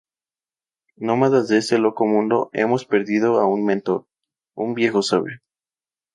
Nómadas de este loco mundo, hemos perdido a un mentor, un viejo sabio.